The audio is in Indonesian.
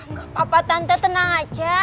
gak apa apa tante senang aja